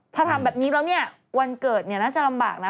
ถ้าทำแบบนี้แล้วเนี่ยวันเกิดเนี่ยน่าจะลำบากนะ